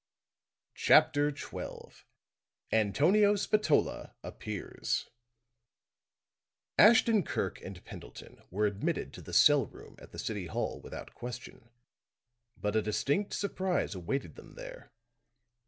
CHAPTER XII ANTONIO SPATOLA APPEARS Ashton Kirk and Pendleton were admitted to the cell room at the City Hall without question; but a distinct surprise awaited them there.